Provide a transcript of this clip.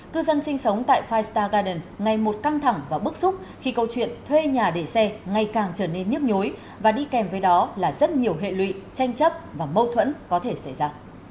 cư dân sinh sống tại five star garden ngày một căng thẳng và bức xúc khi câu chuyện thuê nhà để xe ngay càng trở nên nhức nhối và đi kèm với đó là rất nhiều hệ lụy tranh chấp và mâu thuẫn có thể xảy ra